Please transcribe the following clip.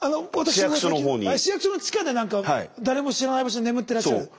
市役所の地下で何か誰も知らない場所に眠ってらっしゃる。